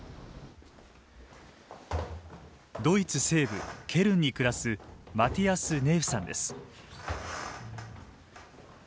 ドイツ西部ケルンに暮らすマティアス・ネーフさんです。